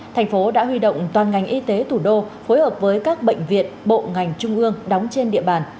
thành phố đã huy động toàn ngành y tế thủ đô phối hợp với các bệnh viện bộ ngành trung ương đóng trên địa bàn